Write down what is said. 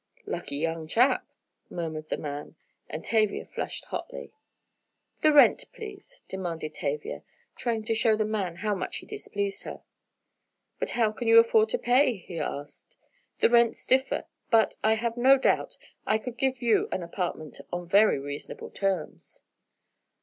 "Lucky young chap!" murmured the man, and Tavia flushed hotly. "The rent, please," demanded Tavia, trying to show the man how much he displeased her. "What can you afford to pay?" he asked. "The rents differ. But, I have no doubt, I could give you an apartment on very reasonable terms."